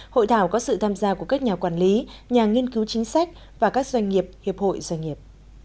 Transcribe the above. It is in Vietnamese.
hội thảo có sự tham gia của các nhà quản lý nhà nghiên cứu chính sách và các doanh nghiệp hiệp hội doanh nghiệp